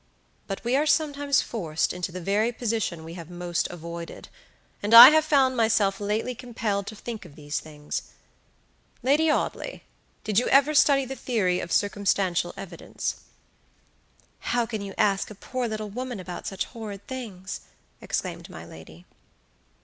But we are sometimes forced into the very position we have most avoided, and I have found myself lately compelled to think of these things. Lady Audley, did you ever study the theory of circumstantial evidence?" "How can you ask a poor little woman about such horrid things?" exclaimed my lady.